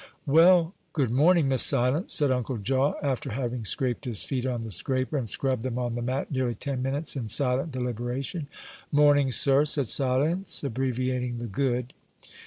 "Well, good morning, Miss Silence," said Uncle Jaw, after having scraped his feet on the scraper, and scrubbed them on the mat nearly ten minutes, in silent deliberation. "Morning, sir," said Silence, abbreviating the "good."